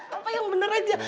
papa yang bener aja